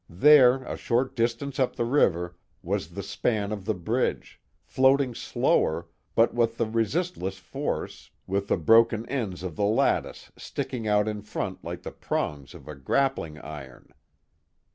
There, a short distance up the river, was the span of the bridge, float ing slower, but with resistless force, with the broken ends of the lattice sticking out in front like the prongs of a grappling iron.